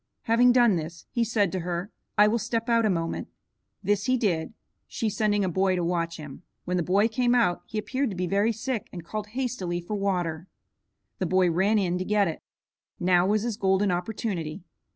Having done this, he said to her, "I will step out a moment." This he did, she sending a boy to watch him. When the boy came out he appeared to be very sick and called hastily for water. The boy ran in to get it. Now was his golden opportunity.